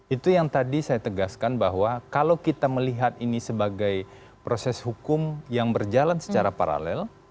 itu yang tadi saya tegaskan bahwa kalau kita melihat ini sebagai proses hukum yang berjalan secara paralel